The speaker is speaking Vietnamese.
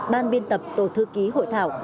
ban biên tập tổ thư ký hội thảo